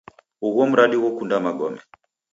Ugho mradi ghokunda magome.